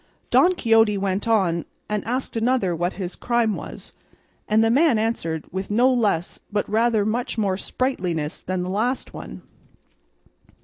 Don Quixote went on and asked another what his crime was, and the man answered with no less but rather much more sprightliness than the last one.